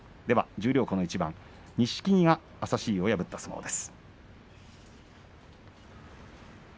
十両この一番、錦木が朝志雄を破った一番です。